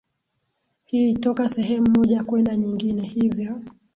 hii toka sehemu moja kwenda nyingine Hivyo